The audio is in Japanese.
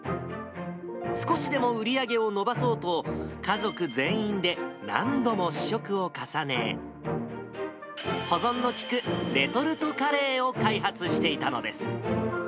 少しでも売り上げを伸ばそうと、家族全員で何度も試食を重ね、保存の利くレトルトカレーを開発していたのです。